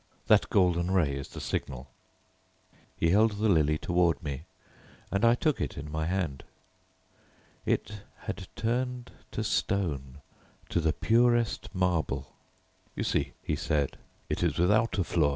That golden ray is the signal." He held the lily toward me, and I took it in my hand. It had turned to stone, to the purest marble. "You see," he said, "it is without a flaw.